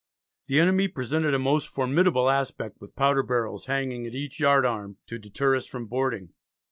The enemy presented a most formidable aspect with powder barrels hanging at each yard arm, "to deter us from boarding."